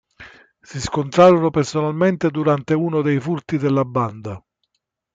Si scontrarono personalmente durante uno dei furti della Banda.